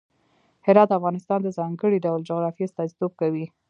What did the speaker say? هرات د افغانستان د ځانګړي ډول جغرافیه استازیتوب کوي.